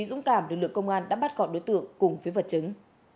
dũng cảm lực lượng công an đã bắt gọi đối tượng cùng với vật chứng